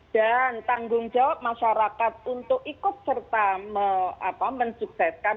dan tanggung jawab masyarakat untuk ikut serta mensukseskan